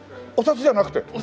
お札じゃなくて？